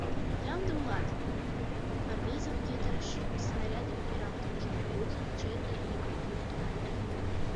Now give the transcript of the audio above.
— Ямде улат? — рвезын йытырыш снарядым пералтымыжым ужын, черле йӱкым лукто.